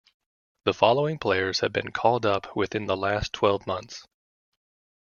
The following players have been called up within the last twelve months.